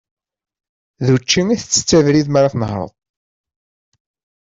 D učči i ttetteḍ abrid mi ara tnehhreḍ.